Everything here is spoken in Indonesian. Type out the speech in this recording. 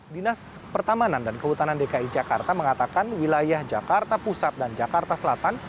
dinas pertamanan dan kehutanan dki jakarta mengatakan wilayah jakarta pusat dan jakarta selatan